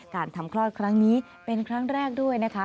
ทำคลอดครั้งนี้เป็นครั้งแรกด้วยนะคะ